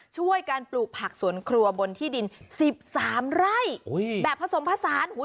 ช่วยการปลูกผักสวนครัวบนที่ดินสิบสามไร่อุ้ยแบบผสมผสาน